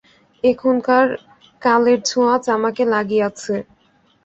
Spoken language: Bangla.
এখনকার কালের ছোঁয়াচ আমাকে লাগিয়াছে।